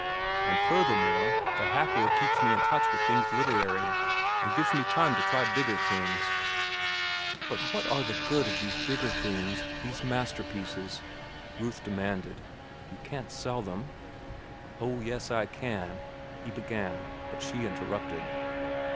And furthermore, the hack work keeps me in touch with things literary and gives me time to try bigger things." "But what good are these bigger things, these masterpieces?" Ruth demanded. "You can't sell them." "Oh, yes, I can," he began; but she interrupted.